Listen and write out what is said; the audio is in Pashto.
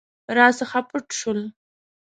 راڅخه پټ شول.